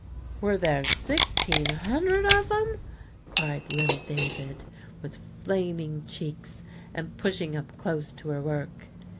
"Were there sixteen hundred of 'em?" cried little David with flaming cheeks, and pushing up close to her work.